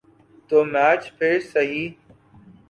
تو میچ پھر سہی۔